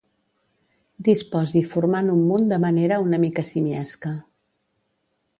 Disposi formant un munt de manera una mica simiesca.